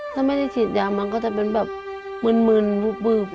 ถ้าไม่ได้ฉีดยามันก็จะเป็นแบบมืนวูบ